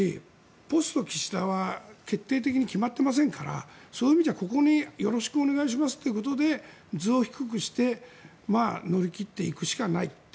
ポスト岸田は決定的に決まっていませんからそういう意味じゃ、ここによろしくお願いしますということで頭を低くして乗り切っていくしかない。